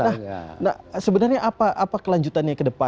itu noh seo ada dot nya gak cukup ada atau administrasinya apa